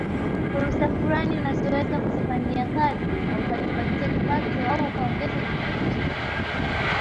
Fursa fulani unazoweza kuzifanyia kazi na ukajipatia kipato au ukaongeza kipato chako